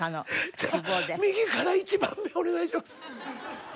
じゃあ右から１番目お願いします。